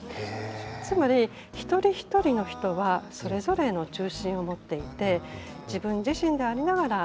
つまり一人一人の人はそれぞれの中心を持っていて自分自身でありながら共に生きていく。